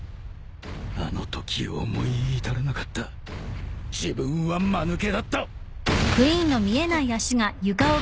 あのとき思い至らなかった自分はまぬけだった！うっ！